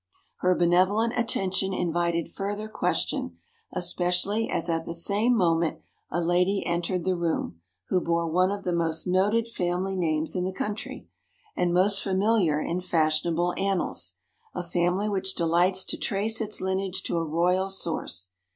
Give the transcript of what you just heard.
Her benevolent attention invited further question, especially as at the same moment a lady entered the room who bore one of the most noted family names in the country, and most familiar in fashionable annals, a family which delights to trace its lineage to a royal source.